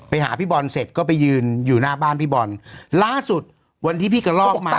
ไปหาพี่บอลเสร็จก็ไปยืนอยู่หน้าบ้านพี่บอลล่าสุดวันที่พี่กระลอกมา